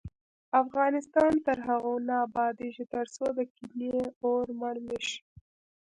افغانستان تر هغو نه ابادیږي، ترڅو د کینې اور مړ نشي.